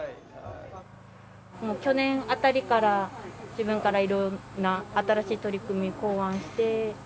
去年あたりから自分からいろんな新しい取り組みを考案して。